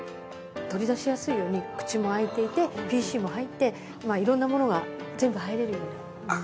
取り出しやすいように口も開いていてＰＣも入って色んなものが全部入れるようにしたかったんですね。